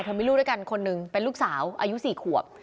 มีลูกด้วยกันคนหนึ่งเป็นลูกสาวอายุ๔ขวบ